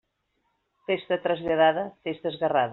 Festa traslladada, festa esguerrada.